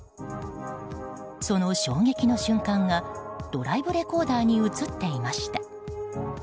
その衝撃の瞬間がドライブレコーダーに映っていました。